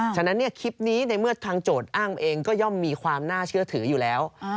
ฉะนั้นคลิปนี้ในเมื่อทางโจทย์อ้างเองก็ย่อมมีความน่าเชื่อถืออยู่แล้ว